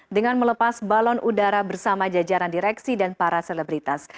dengan melepas balon udara bersama jajaran direksi dan para selebritas